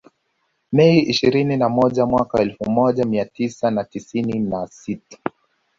Mei ishirini na moja mwaka elfu moja mia tisa na tisini na sita